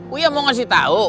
uya mau ngasih tau